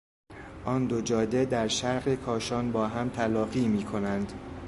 آن دو جاده در شرق کاشان با هم تلاقی میکنند.